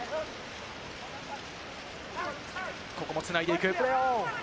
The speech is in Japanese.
ここも繋いでいく。